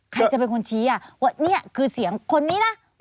ใครจะเป็นคนชี้ว่านี่คือเสียงคนนี้นะ